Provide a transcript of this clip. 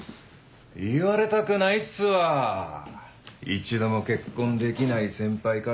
言われたくないっすわ一度も結婚できない先輩からは。